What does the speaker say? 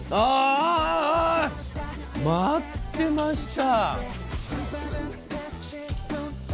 待ってました！